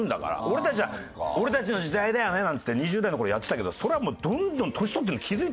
俺たちは俺たちの時代だよねなんつって２０代の頃やってたけどそれがどんどん年取って。